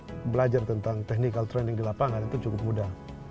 kita belajar tentang technical training di lapangan itu cukup mudah